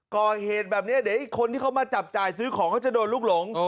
ก่อเหตุแบบนี้เดี๋ยวอีกคนที่เขามาจับจ่ายซื้อของเขาจะโดนลูกหลง